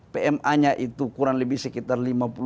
pma nya itu kurang lebih sekitar lima puluh dua sembilan